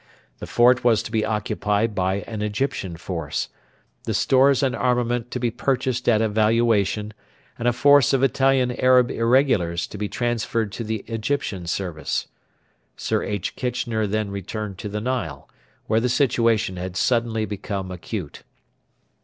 The fort was to be occupied by an Egyptian force, the stores and armament to be purchased at a valuation, and a force of Italian Arab irregulars to be transferred to the Egyptian service. Sir H. Kitchener then returned to the Nile, where the situation had suddenly become acute.